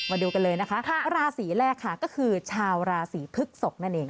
มาดูกันเลยนะคะราศีแรกค่ะก็คือชาวราศีพฤกษกนั่นเอง